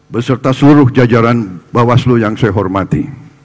beserta seluruh jajaran bawaslu yang saya hormati